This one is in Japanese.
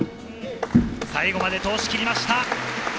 最後まで通し切りました。